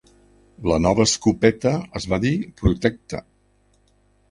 La nova escopeta es va dir "Protecta".